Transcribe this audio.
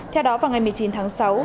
theo đó vào ngày một mươi chín tháng sáu